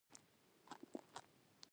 اوس د انګلیسیانو وروستی هدف ډهلی وو.